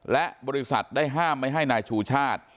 และบริษัทได้ห้ามไม่ให้นายชูชาติ